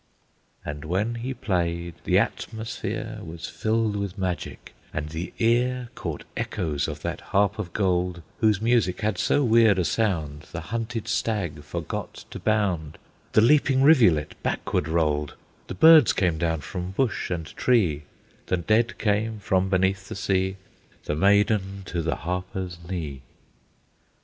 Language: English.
And when he played, the atmosphere Was filled with magic, and the ear Caught echoes of that Harp of Gold, Whose music had so weird a sound, The hunted stag forgot to bound, The leaping rivulet backward rolled, The birds came down from bush and tree, The dead came from beneath the sea, The maiden to the harper's knee!